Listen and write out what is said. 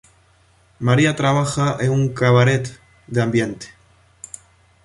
María trabaja en un cabaret de ambiente.